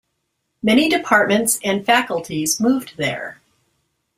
Many departments and faculties moved there.